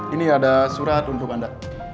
ini ada surat untuk anda